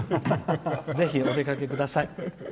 ぜひお出かけください。